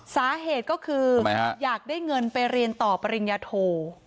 สาเหตุก็คืออยากได้เงินไปเรียนต่อปริญญาโท